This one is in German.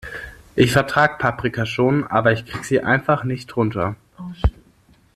Ich vertrag Paprika schon, aber ich krieg sie einfach nicht runter.